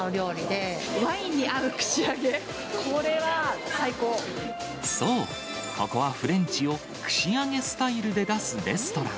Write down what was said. ワインに合う串揚げ、これはそう、ここはフレンチを串揚げスタイルで出すレストラン。